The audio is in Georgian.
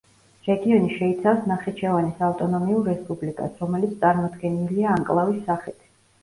რეგიონი შეიცავს ნახიჩევანის ავტონომიურ რესპუბლიკას, რომელიც წარმოდგენილია ანკლავის სახით.